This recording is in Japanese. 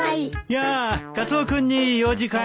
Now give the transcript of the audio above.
やあカツオ君に用事かい？